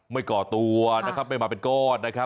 ก่อตัวนะครับไม่มาเป็นก้อนนะครับ